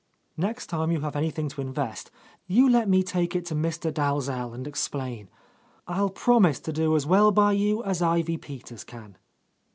"Next time you have anything to invest, you let me take it to Mr. Dalzell and explain. I'll promise to do as well by you as Ivy Peters can."